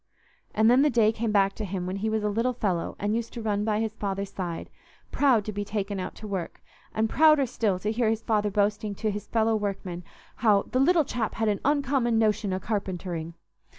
And then the day came back to him when he was a little fellow and used to run by his father's side, proud to be taken out to work, and prouder still to hear his father boasting to his fellow workmen how "the little chap had an uncommon notion o' carpentering."